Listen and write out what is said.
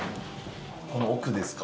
この奥ですか。